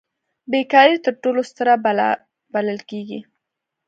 بې کاري تر ټولو ستره بلا بلل کیږي.